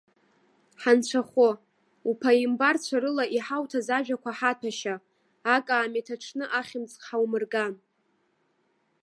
Ҳанцәахәы! Уԥааимбарцәа рыла иҳауҭаз ажәақәа ҳаҭәашьа. Акаамеҭ аҽны ахьымӡӷ ҳаумырган.